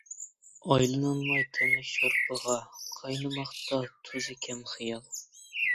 ئايلىنالماي تەملىك شورپىغا، قاينىماقتا تۇزى كەم خىيال.